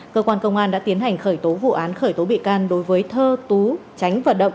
cơ quan công an đã tiến hành khởi tố vụ án khởi tố bị can đối với thơ tú chánh và đậm